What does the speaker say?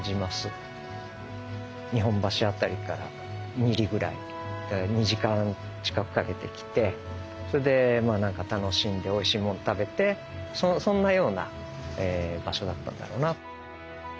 日本橋辺りから２里ぐらい２時間近くかけて来てそれで楽しんでおいしいもん食べてそんなような場所だったんだろうな。